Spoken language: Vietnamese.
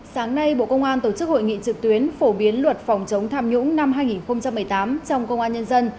sáng nay bộ công an tổ chức hội nghị trực tuyến phổ biến luật phòng chống tham nhũng năm hai nghìn một mươi tám trong công an nhân dân